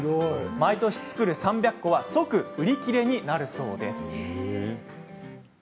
毎年作る３００個は即売り切れになるそう。